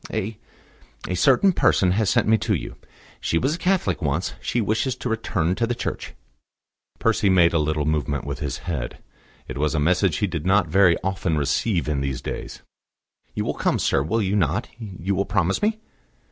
"A a certain person has sent me to you. She was a Catholic once; she wishes to return to the Church." Percy made a little movement with his head. It was a message he did not very often receive in these days. "You will come, sir, will you not? You will promise me?"